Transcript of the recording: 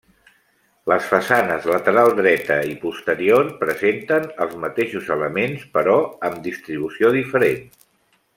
Les façanes lateral dreta i posterior presenten els mateixos elements però amb distribució diferent.